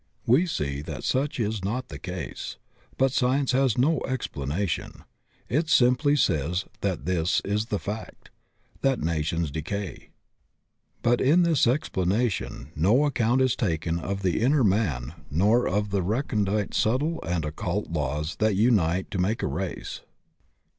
We see that such is not the case, but science has no explanation; it simply says that this is the fact, that nations decay. But in this explanation no account EGOS LEAVE A RACE 85 is taken of the inner man nor of the recondite subtle and occult laws that unite to make a race.